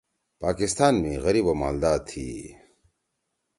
پاکستان می غریب او مالدا تھی۔